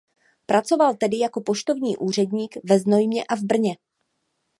Pracoval tedy jako poštovní úředník ve Znojmě a v Brně.